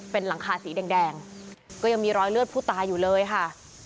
เป็นหลังคาสีแดงก็ยังมีรอยเลือดผู้ตายอยู่เลยค่ะ